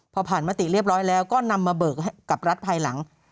พอผ่านมติเรียบร้อยแล้วก็นำมาเบิกให้กับรัฐภายหลัง